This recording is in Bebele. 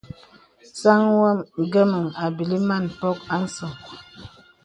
Sāŋ ngəməŋ àbīlí màn mpòk àsəŋ.